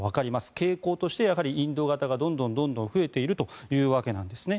傾向としてやはりインド型がどんどん増えているということなんですね。